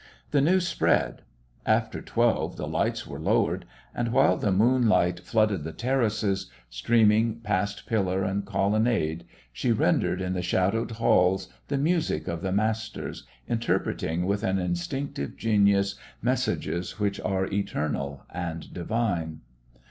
The news spread. After twelve the lights were lowered, and while the moonlight flooded the terraces, streaming past pillar and colonnade, she rendered in the shadowed halls the music of the Masters, interpreting with an instinctive genius messages which are eternal and divine.